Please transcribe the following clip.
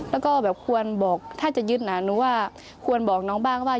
แล้วก็แบบควรบอกถ้าจะยึดหนูว่าควรบอกน้องบ้างว่า